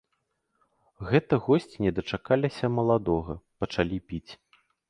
Гэта госці не дачакаліся маладога, пачалі піць.